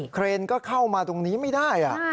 เครนก็เข้ามาตรงนี้ไม่ได้